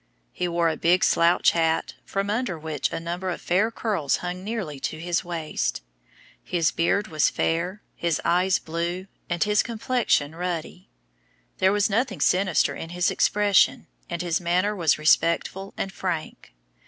He wore a big slouch hat, from under which a number of fair curls hung nearly to his waist. His beard was fair, his eyes blue, and his complexion ruddy. There was nothing sinister in his expression, and his manner was respectful and frank.